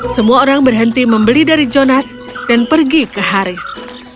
semua orang berhenti membeli dari jonas dan pergi ke haris